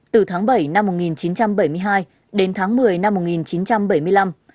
từ tháng bảy năm một nghìn chín trăm bảy mươi hai đến tháng một mươi năm một nghìn chín trăm bảy mươi năm